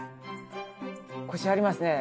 コシありますね。